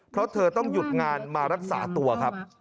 เพราะเธอต้องหยุดงานมารักษาตัวครับ